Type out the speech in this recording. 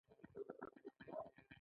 له پانګې سره د اضافي ارزښت یو ځای کېدل